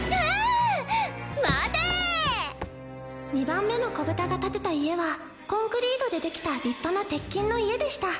２番目の子ぶたが建てた家はコンクリートで出来た立派な鉄筋の家でした。